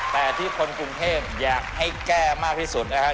แต่ที่คนกรุงเทพอยากให้แก้มากที่สุดนะครับ